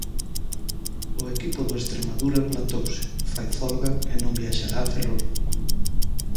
O equipo do Estremadura plantouse, fai folga e non viaxará a Ferrol.